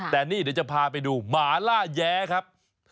แต่นี่เดี๋ยวจะพาไปดูหมาล่าแย้ครับ